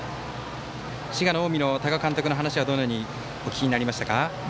滋賀の近江の多賀監督の話はどのようにお聞きになりましたか。